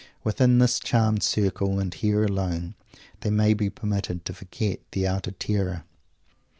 Within this charmed circle, and here alone, they may be permitted to forget the Outer Terror.